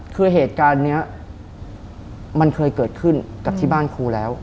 คือเหตุการณ์นี้มันเคยเกิดขึ้นกับที่บ้านครูแล้ว